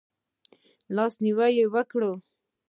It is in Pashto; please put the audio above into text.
لاس نیوی وکړئ